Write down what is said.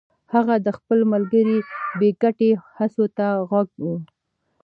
هغه د خپل ملګري بې ګټې هڅو ته غوږ و